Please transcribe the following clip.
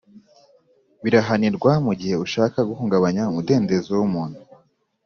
Birahanirwa mu gihe ushaka guhungabanya umudendezo w’umuntu